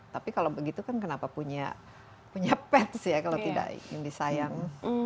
tapi kalau begitu kan kenapa punya pets ya kalau tidak ingin disayang